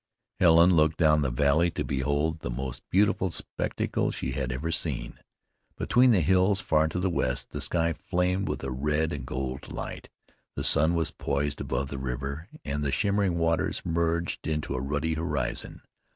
Helen looked down the valley to behold the most beautiful spectacle she had ever seen. Between the hills far to the west, the sky flamed with a red and gold light. The sun was poised above the river, and the shimmering waters merged into a ruddy horizon.